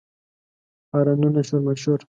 هارنونه، شور ماشور